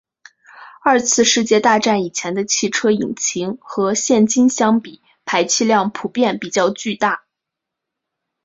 二次世界大战以前的汽车引擎和现今相比排气量普遍比较巨大。